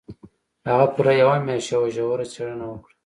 هغه پوره یوه میاشت یوه ژوره څېړنه وکړه